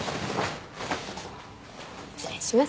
失礼します。